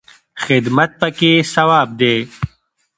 خدمت پکې ثواب دی